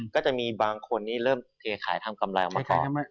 ก็จะมีบางคนเลิฟเทกขายทำคำลาอย่างมากขอ